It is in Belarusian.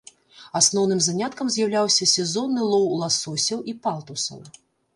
Асноўным заняткам з'яўляўся сезонны лоў ласосяў і палтусаў.